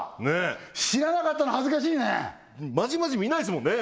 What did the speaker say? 知らなかったの恥ずかしいねまじまじ見ないですもんね